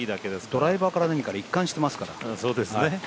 ドライバーから何から一貫してますから。